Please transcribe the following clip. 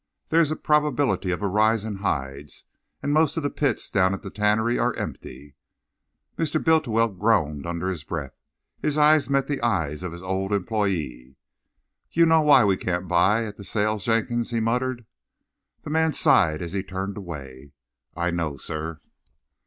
There is a probability of a rise in hides, and most of the pits down at the tannery are empty." Mr. Bultiwell groaned under his breath. His eyes met the eyes of his old employé. "You know why we can't buy at the sales, Jenkins," he muttered. The man sighed as he turned away. "I know, sir."